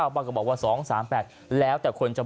ก็บอกว่า๒๓๘แล้วแต่คนจะ